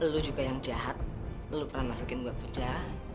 lu juga yang jahat lu pernah masukin gua ke penjara